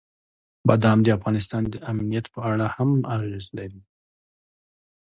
بادام د افغانستان د امنیت په اړه هم اغېز لري.